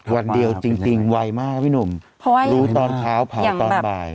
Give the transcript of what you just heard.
วันเดียวจริงไวมากพี่หนุ่มรู้ตอนเท้าเผาตอนบ่าย